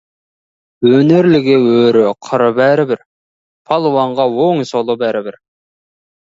Өнерліге өрі-қыры бәрібір, палуанға оңы-солы бәрібір.